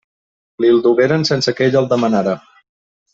Li'l dugueren sense que ell el demanara.